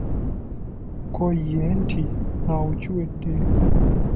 Ko ye nti awo kiwedde.